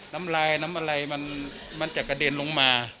น้ำลายน้ำอะไรมันจะกระเด็นลงมา